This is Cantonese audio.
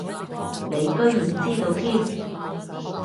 你居然知道添